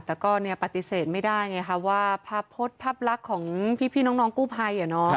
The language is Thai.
แต่ก็ปฏิเสธไม่ได้ว่าภาพรักของพี่น้องขุพัย